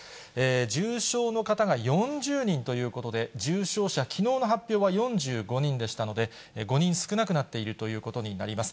重症の方が４０人ということで、重症者、きのうの発表は４５人でしたので、５人少なくなっているということになります。